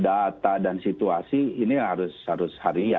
utif pun mereka pilih